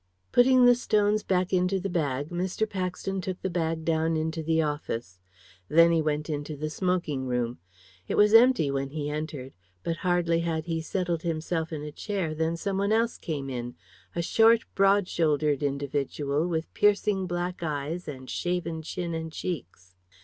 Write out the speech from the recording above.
Putting the stones back into the bag, Mr. Paxton took the bag down into the office. Then he went into the smoking room. It was empty when he entered. But hardly had he settled himself in a chair, than some one else came in, a short, broad shouldered individual, with piercing black eyes and shaven chin and cheeks.